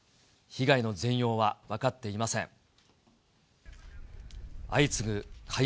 被害の全容は分かっていません。